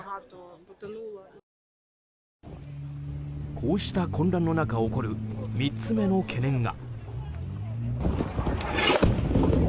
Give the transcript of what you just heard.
こうした混乱の中起こる３つ目の懸念が。